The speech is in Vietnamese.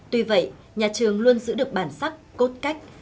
tuy vậy nhà trường luôn giữ được bản sắc cốt cách